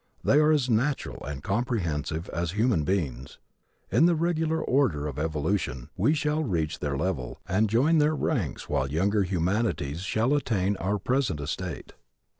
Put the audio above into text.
They are as natural and comprehensive as human beings. In the regular order of evolution we shall reach their level and join their ranks while younger humanities shall attain our present estate.